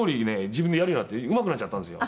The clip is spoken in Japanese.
自分でやるようになってうまくなっちゃったんですよ。